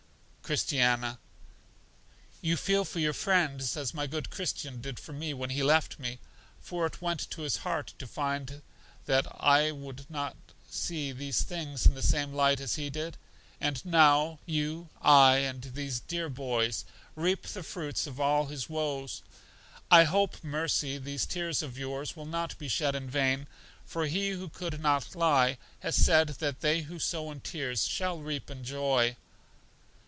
Christiana: You feel for your friends as my good Christian did for me when he left me, for it went to his heart to find that I would not see these things in the same light as he did. And now, you, I, and these dear boys, reap the fruits of all his woes. I hope, Mercy, these tears of yours will not be shed in vain, for He who could not lie, has said that they who sow in tears shall reap in joy.